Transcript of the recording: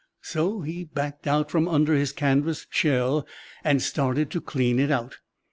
"So he backed out from under his canvas shell and started to clean it out.